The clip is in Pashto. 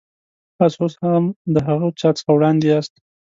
تاسو اوس هم د هغه چا څخه وړاندې یاست.